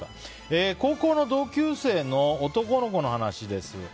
高校の同級生の男の子の話です。